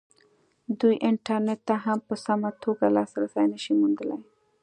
دوی انټرنېټ ته هم په سمه توګه لاسرسی نه شي موندلی.